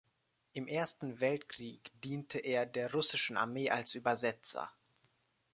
Im Ersten Weltkrieg diente er der russischen Armee als Übersetzer.